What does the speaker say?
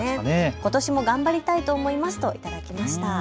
ことしも頑張りたいと思いますと頂きました。